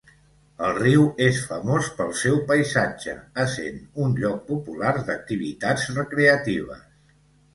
El riu és famós pel seu paisatge, essent un lloc popular d'activitats recreatives.